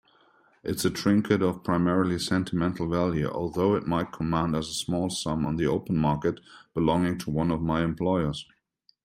It's a trinket of primarily sentimental value, although it might command a small sum on the open market, belonging to one of my employers.